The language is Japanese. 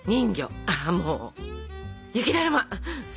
あもう「雪だるま」。